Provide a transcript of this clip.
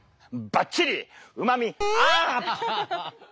ばっちりうまみアップ！